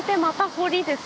堀です